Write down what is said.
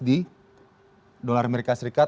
dari dolar amerika serikat